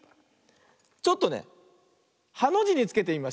ちょっとねハのじにつけてみました。